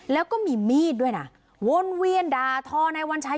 แล้วก็มีมีดด้วยนะวนเวียนด่าทอนายวัญชัย